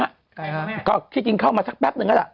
ใครครับแม่ก็ที่จริงเข้ามาสักแป๊บหนึ่งแล้วฮะ